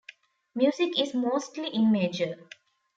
Music is mostly in major.